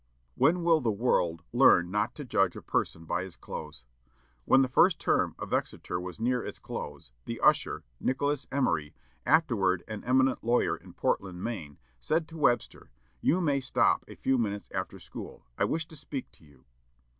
When will the world learn not to judge a person by his clothes! When the first term at Exeter was near its close, the usher, Nicholas Emery, afterward an eminent lawyer in Portland, Maine, said to Webster, "You may stop a few minutes after school: I wish to speak to you."